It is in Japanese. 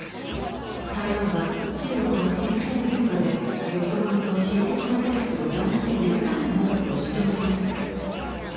台湾は中国の神聖な領土でよそ者の恣意的な手出しを断じて許さないなどと主張しました。